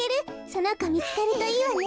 そのこみつかるといいわね。